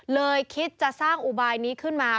คิดจะสร้างอุบายนี้ขึ้นมา